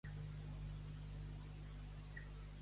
I caminar podia per si sol?